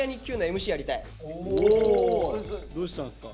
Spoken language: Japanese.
どうしたんすか？